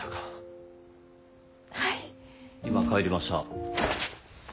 ・今帰りました。